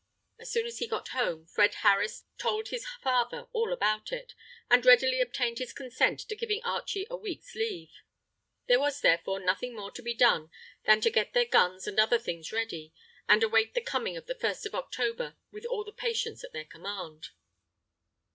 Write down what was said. As soon as he got home, Fred Harris told his father all about it, and readily obtained his consent to giving Archie a week's leave. There was, therefore, nothing more to be done than to get their guns and other things ready, and await the coming of the 1st of October with all the patience at their command.